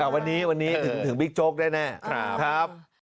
เอ่อวันนี้วันนี้ถึงถึงบิ๊กโจ๊คได้แน่ครับ